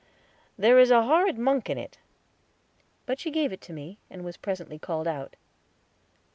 "There is a horrid monk in it"; but she gave it to me, and was presently called out.